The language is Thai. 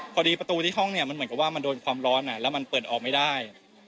พอดีประตูที่ห้องเนี่ยมันเหมือนกับว่ามันโดนความร้อนแล้วมันเปิดออกไม่ได้